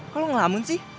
kok lo ngelamun sih